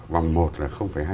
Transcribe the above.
vòng một là hai mươi chín